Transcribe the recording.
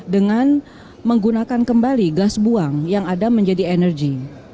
dengan menggunakan kembali gas buang yang ada menjadi energi